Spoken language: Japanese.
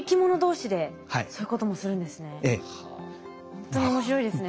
ほんとに面白いですね